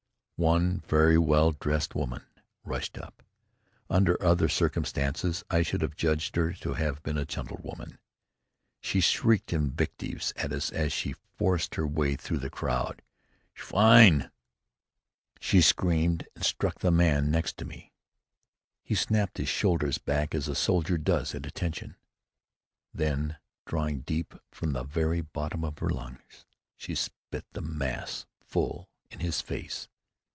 One very well dressed woman rushed up. Under other circumstances I should have judged her to have been a gentlewoman. She shrieked invectives at us as she forced her way through the crowd. "Schwein!" she screamed, and struck at the man next me. He snapped his shoulders back as a soldier does at attention. Then, drawing deep from the very bottom of her lungs, she spat the mass full in his face.